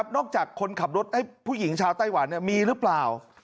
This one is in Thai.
นอกจากคนขับรถให้ผู้หญิงชาวไต้หวันมีหรือเปล่า